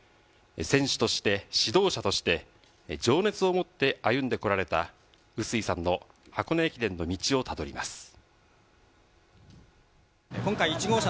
選手として、指導者として情熱を持って歩んでこられた碓井さんの箱根駅伝の道をたどります。